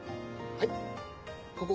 はい。